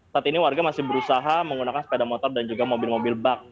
saat ini warga masih berusaha menggunakan sepeda motor dan juga mobil mobil bak